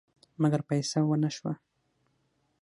مګر فیصه ونه شوه.